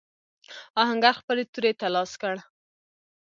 آهنګر خپلې تورې ته لاس کړ.